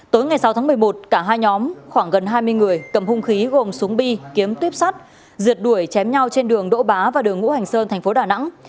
tối ngày sáu tháng một mươi một cả hai nhóm khoảng gần hai mươi người cầm hung khí gồm súng bi kiếm tuyếp sắt rượt đuổi chém nhau trên đường đỗ bá và đường ngũ hành sơn thành phố đà nẵng